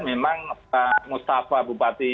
memang mustafa bupati